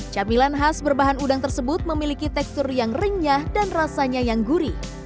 camilan khas berbahan udang tersebut memiliki tekstur yang renyah dan rasanya yang gurih